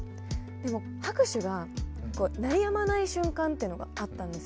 でも拍手が鳴りやまない瞬間っていうのがあったんですよ。